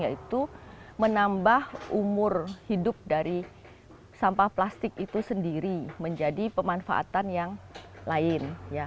yaitu menambah umur hidup dari sampah plastik itu sendiri menjadi pemanfaatan yang lain